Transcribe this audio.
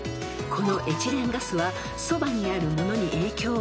［このエチレンガスはそばにあるものに影響を与えるため